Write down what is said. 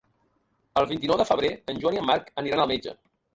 El vint-i-nou de febrer en Joan i en Marc aniran al metge.